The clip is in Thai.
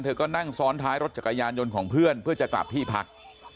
ก็นั่งซ้อนท้ายรถจักรยานยนต์ของเพื่อนเพื่อจะกลับที่พัก